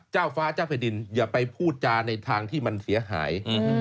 เจ้าฟ้าเจ้าแผ่นดินอย่าไปพูดจาในทางที่มันเสียหาย